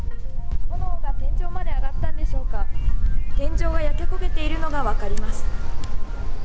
炎が天井まで上がったんでしょうか、天井が焼け焦げているのが分かります。